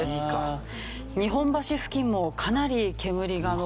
日本橋付近もかなり煙が上っています。